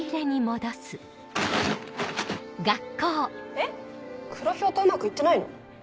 えっ黒ヒョウとうまく行ってないの？